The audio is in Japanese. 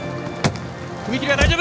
踏み切りは大丈夫。